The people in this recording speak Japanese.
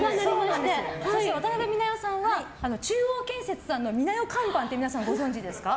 渡辺美奈代さんは中央建設さんの美奈代看板って皆さんご存知ですか。